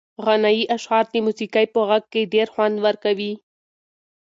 غنایي اشعار د موسیقۍ په غږ کې ډېر خوند ورکوي.